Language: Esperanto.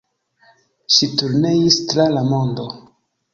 Ŝi turneis tra la mondo.